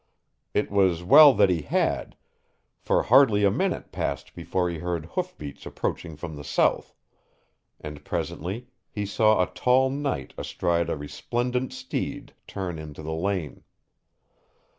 It was well that he had, for hardly a minute passed before he heard hoofbeats approaching from the south, and presently he saw a tall knight astride a resplendent steed turn into the lane.